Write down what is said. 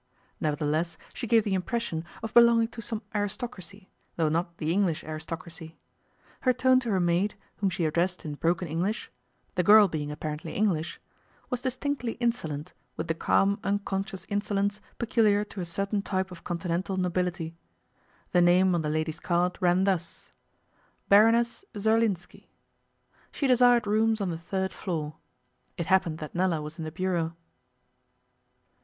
Nevertheless, she gave the impression of belonging to some aristocracy, though not the English aristocracy. Her tone to her maid, whom she addressed in broken English the girl being apparently English was distinctly insolent, with the calm, unconscious insolence peculiar to a certain type of Continental nobility. The name on the lady's card ran thus: 'Baroness Zerlinski'. She desired rooms on the third floor. It happened that Nella was in the bureau.